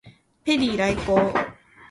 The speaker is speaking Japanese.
ペリー来航